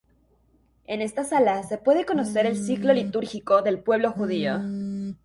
En esta sala se puede conocer el ciclo litúrgico del pueblo judío.